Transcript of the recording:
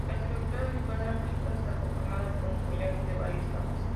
La estructura visual de la película está conformada por un collage de varias capas.